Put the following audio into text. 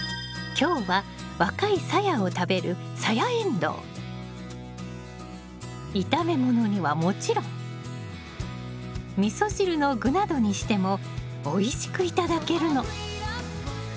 今日は若いサヤを食べる炒め物にはもちろんみそ汁の具などにしてもおいしく頂けるの。